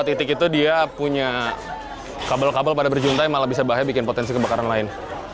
tiga titik itu dia punya kabel kabel pada berjuntai malah bisa bahaya bikin potensi kebakaran lain